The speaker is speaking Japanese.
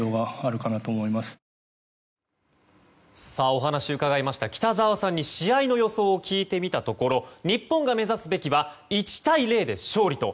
お話を伺いました北澤さんに試合の予想を聞いてみたところ日本が目指すべきは１対０で勝利と。